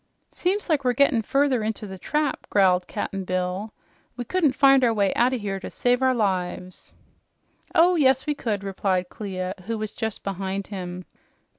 "Seems like we're gettin' further into the trap," growled Cap'n Bill. "We couldn't find our way out o' here to save our lives." "Oh yes we could," replied Clia, who was just behind him.